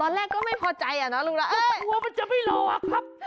ตอนแรกก็ไม่พอใจอ่ะเนอะลูกว่ามันจะไม่หลออ่ะครับ